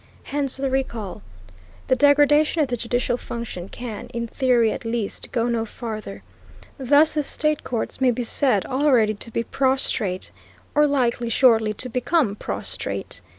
Hence the recall. The degradation of the judicial function can, in theory at least, go no farther. Thus the state courts may be said already to be prostrate, or likely shortly to become prostrate.